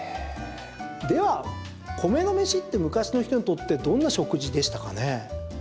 では、米の飯って昔の人にとってどんな食事でしたかね？